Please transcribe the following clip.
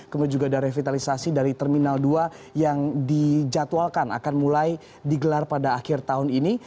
kemudian juga ada revitalisasi dari terminal dua yang dijadwalkan akan mulai digelar pada akhir tahun ini